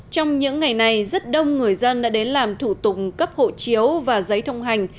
trong những ngày này rất đông người dân đã đến làm thủ tục cấp hộ chiếu và giấy thông hành